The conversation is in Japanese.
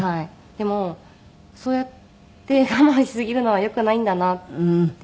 でもそうやって我慢しすぎるのは良くないんだなって。